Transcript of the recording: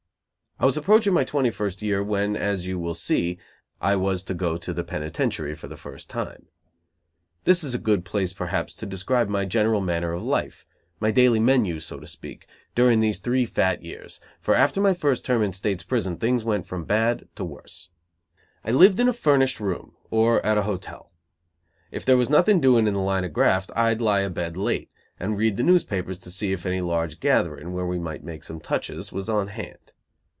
I was approaching my twenty first year, when, as you will see, I was to go to the penitentiary for the first time. This is a good place, perhaps, to describe my general manner of life, my daily menu, so to speak, during these three fat years: for after my first term in state's prison things went from bad to worse. I lived in a furnished room; or at a hotel. If there was nothing doing in the line of graft, I'd lie abed late, and read the newspapers to see if any large gathering, where we might make some touches, was on hand.